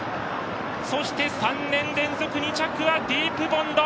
そして、３年連続２着はディープボンド。